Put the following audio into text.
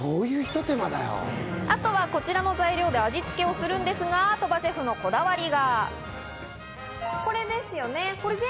あとはこちらの材料で味付けをするんですが、鳥羽シェフのこだわりが。